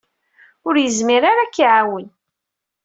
Ur yezmir ara ad k-iɛawen.